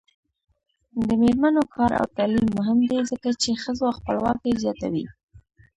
د میرمنو کار او تعلیم مهم دی ځکه چې ښځو خپلواکي زیاتوي.